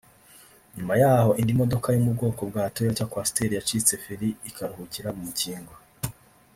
nyuma y’aho indi modoka yo mu bwoko bwa Toyota Coaster yacitse feri ikaruhukira mu mukingo